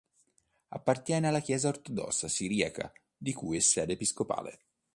Appartiene alla chiesa ortodossa siriaca di cui è sede episcopale.